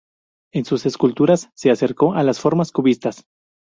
En sus esculturas se acercó a las formas cubistas.